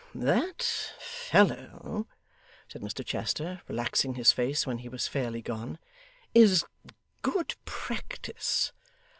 'That fellow,' said Mr Chester, relaxing his face when he was fairly gone, 'is good practice.